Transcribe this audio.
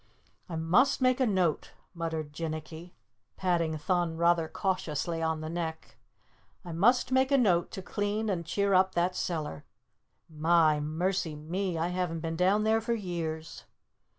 "I must make a note," muttered Jinnicky, patting Thun rather cautiously on the neck. "I must make a note to clean and cheer up that cellar. My! mercy! me! I haven't been down there for years!"